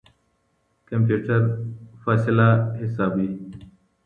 کمپيوټر فاصله حسابوي.